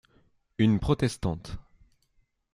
Une protestante.